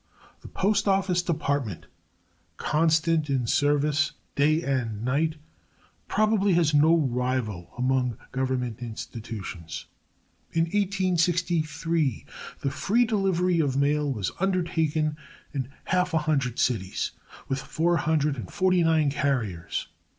The Postoffice Department, constant in service, day and night, probably has no rival among Government institutions. In 1863 the free delivery of mail was undertaken in half a hundred cities, with 449 carriers.